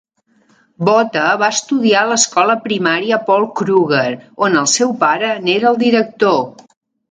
Botha va estudiar a l'escola primària Paul Kruger, on el seu pare n'era el director.